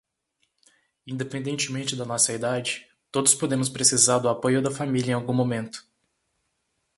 Independentemente da nossa idade, todos podemos precisar do apoio da família em algum momento.